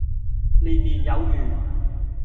年年有餘